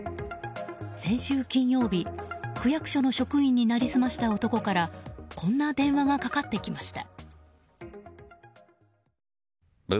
先週金曜日、区役所の職員に成り済ました男からこんな電話がかかってきました。